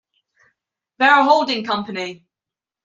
They're a holding company.